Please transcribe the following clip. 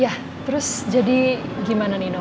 ya terus jadi gimana nino